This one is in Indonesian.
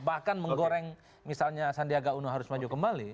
bahkan menggoreng misalnya sandiaga uno harus maju kembali